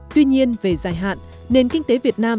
tuy nhiên về dài hạn nền kinh tế việt nam